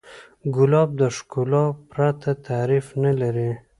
ګلاب د ښکلا پرته تعریف نه لري.